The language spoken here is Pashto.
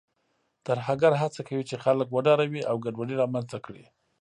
ترهګر هڅه کوي چې خلک وډاروي او ګډوډي رامنځته کړي.